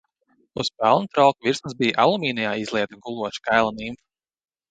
Uz pelnu trauka virsmas bija alumīnijā izlieta guloša kaila nimfa.